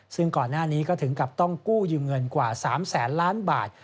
ซึ่งก่อนหน้านี้ก็ถึงกับต้องกู้ยืมเงินกว่า๓แสนล้านบาท